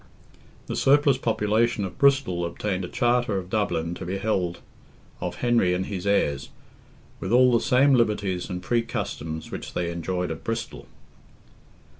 The surplus population of Bristol obtained a charter of Dublin to be held of Henry and his heirs, "with all the same liberties and free customs which they enjoyed at Bristol."